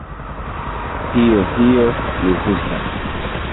Hiyo hiyo ruhusa